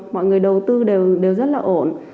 mọi người đầu tư đều rất là ổn